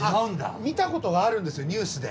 見たことがあるんですよニュースで。